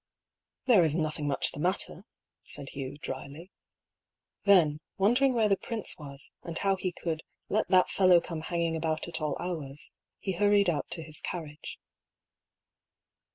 "There is nothing much the matter," said Hugh, dryly. Then, wondering where the prince was, and how he could " let that fellow come hanging about at all hours," he hurried out to his carriage.